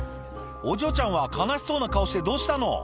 お嬢ちゃんは悲しそうな顔してどうしたの？